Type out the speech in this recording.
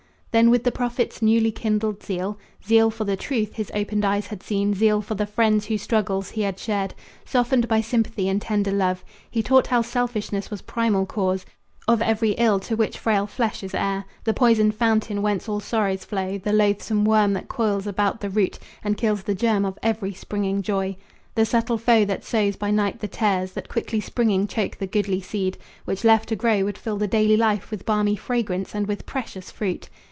Then with the prophet's newly kindled zeal, Zeal for the truth his opened eyes had seen, Zeal for the friends whose struggles he had shared, Softened by sympathy and tender love, He taught how selfishness was primal cause Of every ill to which frail flesh is heir, The poisoned fountain whence all sorrows flow, The loathsome worm that coils about the root And kills the germ of every springing joy, The subtle foe that sows by night the tares That quickly springing choke the goodly seed Which left to grow would fill the daily life With balmy fragrance and with precious fruit.